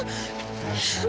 karena saya masih ada